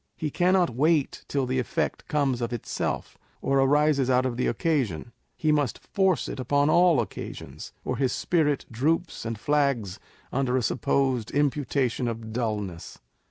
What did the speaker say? He cannot wait till the effect comes of itself, or arises out of the occasion : he must force it upon all occasions, or his spirit droops and flags under a supposed imputation of dulness.